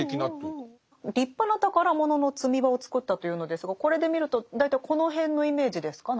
立派な宝物の積場を作ったというのですがこれで見ると大体この辺のイメージですか？